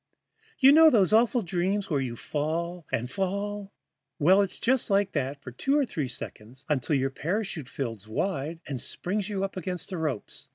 You know those awful dreams where you fall and fall? Well, it's just like that for two or three seconds, until your parachute fills wide and springs you up against the ropes.